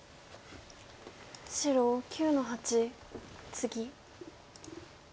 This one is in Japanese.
白９の八ツギ。